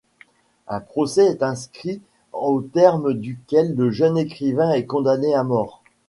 Un procès est instruit au terme duquel le jeune écrivain est condamné à mort.